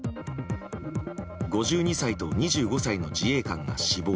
５２歳と２５歳の自衛官が死亡。